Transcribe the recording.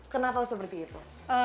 kenapa seperti itu